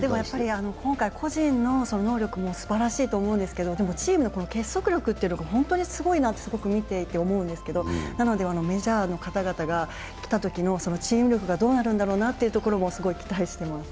今回、個人の能力もすばらしいと思うんですけどチームの結束力がすごいなと見ていて思うんですけれども、メジャーの方々が来たときのチーム力がどうなるんだろうなというところもすごく期待しています。